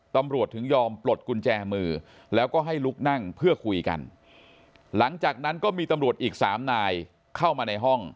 ตำรวจถึงยอมปลดกุญแจมือแล้วก็ให้ลุกนั่งเพื่อคุยกันหลังจากนั้นก็มีตำรวจอีกสามนายเข้ามาในห้อง